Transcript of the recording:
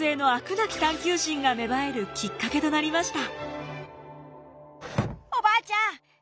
なき探究心が芽生えるきっかけとなりました。